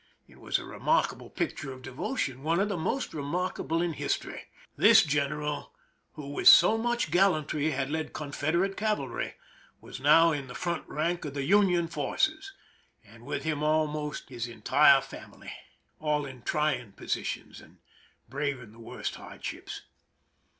It was a remarkable picture oi: devotion, one of the most remarkable in history. This gen eral, who with so much gallantry had l€>d Confed erate cavalry, was now in the front rank of the Union forces, and with him almost his entire 300 PEISON LIFE THE SIEGE family, all in trying positions, and braving the worst hardships.